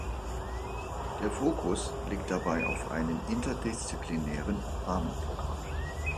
Der Fokus liegt dabei auf einem interdisziplinären Rahmenprogramm.